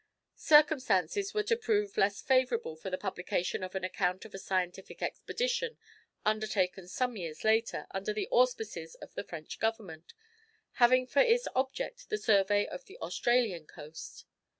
Circumstances were to prove less favourable for the publication of an account of a scientific expedition undertaken some years later, under the auspices of the French Government, having for its object the survey of the Australian coast.